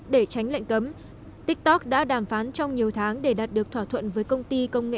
để tránh lệnh cấm tiktok đã đàm phán trong nhiều tháng để đạt được thỏa thuận với công ty công nghệ